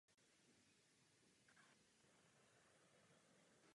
Z finančních důvodů často přijímal role v průměrných filmech.